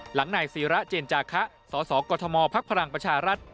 หลังนายศิราเจนจาคะสสกฎมพรังประชารัฐ